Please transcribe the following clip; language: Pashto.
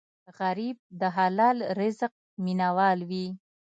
غریب د حلال رزق مینه وال وي